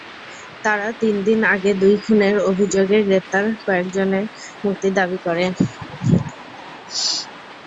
তারা তিন দিন আগে দুই খুনের অভিযোগে গ্রেপ্তার কয়েকজনের মুক্তি দাবি করে।